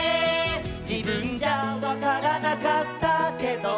「じぶんじゃわからなかったけど」